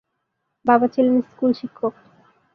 বাবা ছিলেন স্কুল শিক্ষক।